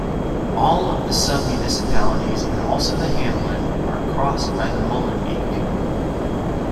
All the sub-municipalities and also the hamlet are crossed by the Molenbeek.